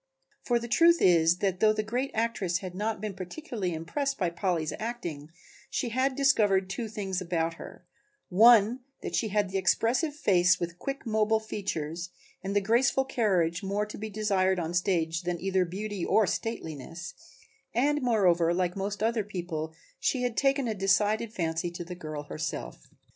For the truth is that though the great actress had not been particularly impressed by Polly's acting she had discovered two things about her, one that she had the expressive face with quick mobile features and the graceful carriage more to be desired on the stage than either beauty or stateliness and, moreover, like most other people, she had taken a decided fancy to the girl herself.